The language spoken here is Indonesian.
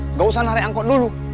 nggak usah narik angkot dulu